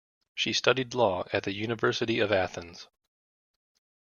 She studied law at the University of Athens.